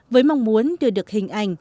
với mong muốn đưa được hình ảnh